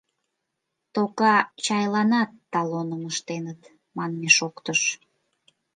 — Тока чайланат талоным ыштеныт, манме шоктыш.